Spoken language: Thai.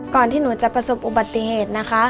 ที่หนูจะประสบอุบัติเหตุนะคะ